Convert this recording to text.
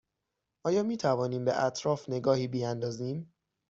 آیا می توانیم به اطراف نگاهی بیاندازیم؟